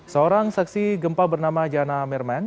seorang saksi gempa bernama jana mermen